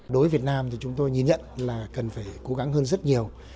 đối với việt nam thì chúng tôi nhìn nhận là cần phải cố gắng hơn rất nhiều